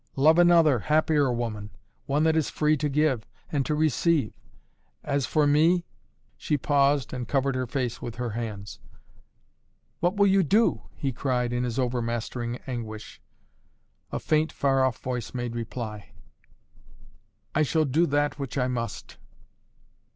Love another, happier woman, one that is free to give and to receive. As for me " She paused and covered her face with her hands. "What will you do?" he cried in his over mastering anguish. A faint, far off voice made reply. "I shall do that which I must!"